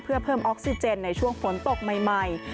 เพื่อเพิ่มออกซิเจนในช่วงฝนตกใหม่